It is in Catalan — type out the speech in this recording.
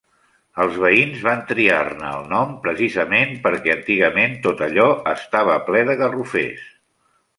Els veïns van triar-ne el nom precisament perquè antigament tot allò estava ple de garrofers.